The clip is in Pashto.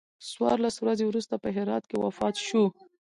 څوارلس ورځې وروسته په هرات کې وفات شو.